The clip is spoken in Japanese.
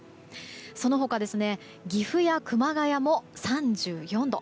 その他、岐阜や熊谷も３４度。